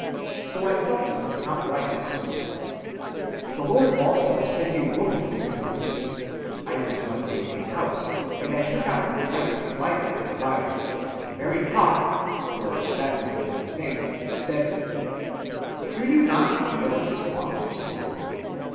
So, I felt it was not right to smoke. The Lord also sent a woman to convince me. I was one day in a house, and I took out my pipe to light it at the fire, and Mary Hawke—for that was the woman's name—said, 'Do you not feel it is wrong to smoke?